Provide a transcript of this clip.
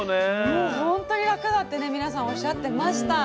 もう本当に楽だってね皆さんおっしゃってました。